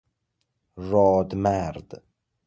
راد مرد